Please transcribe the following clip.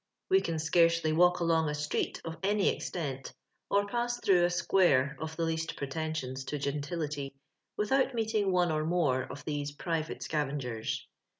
We can scarcely walk along a street of any extent, or pass through a square of the least pretensions to "gentility," without meet ing one or more of these private scavengers.